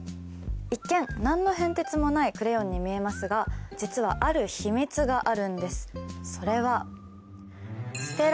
一見何の変哲もないクレヨンに見えますがあるんです